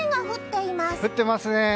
降っていますね。